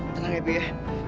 tenang ya pi ya